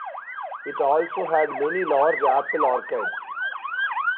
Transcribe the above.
It also had many large apple orchards.